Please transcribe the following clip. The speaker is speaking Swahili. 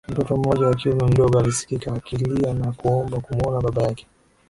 mtoto mmoja wa kiume mdogo alisikika akilia na kuomba kumuona baba yake